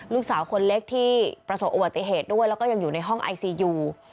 ลูกสาวคนเล็กที่ประสบอุบัติเหตุด้วยแล้วก็ยังอยู่ในห้องไอซียู